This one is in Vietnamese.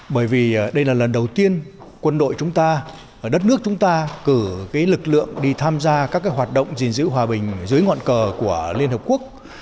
bởi vì đây là lần đầu tiên quân đội chúng ta đất nước chúng ta cử lực lượng đi tham gia các hoạt động gìn giữ hòa bình dưới ngọn cờ của liên hợp quốc